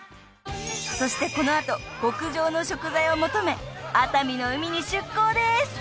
［そしてこの後極上の食材を求め熱海の海に出港です］